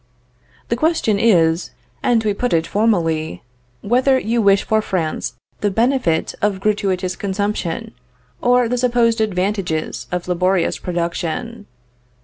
The question is, and we put it formally, whether you wish for France the benefit of gratuitous consumption, or the supposed advantages of laborious production.